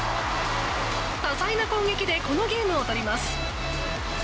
多彩な攻撃でこのゲームを取ります。